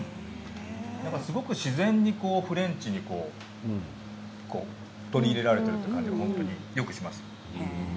自然にフレンチに取り入れられているという感じがします。